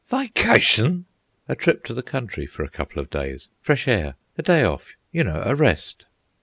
"Vycytion!" "A trip to the country for a couple of days, fresh air, a day off, you know, a rest."